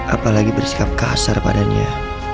apalagi bersikap kasar padanya